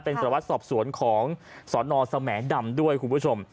เป็นสารวัตรสอบสวนของสนสแหมดำด้วยคุณผู้ชม